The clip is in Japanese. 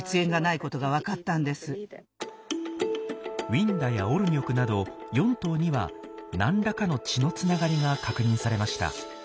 ウィンダやオルニョクなど４頭には何らかの血のつながりが確認されました。